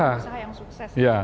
pengusaha yang sukses